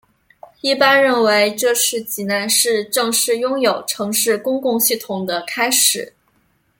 一般认为这是济南市正式拥有城市公交系统的开始。